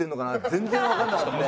全然わかんなかったので。